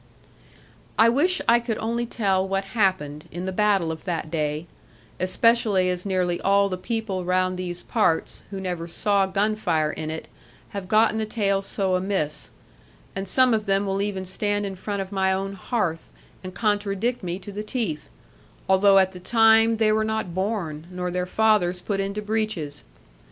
I wish I could only tell what happened, in the battle of that day, especially as nearly all the people round these parts, who never saw gun fire in it, have gotten the tale so much amiss; and some of them will even stand in front of my own hearth, and contradict me to the teeth; although at the time they were not born, nor their fathers put into breeches.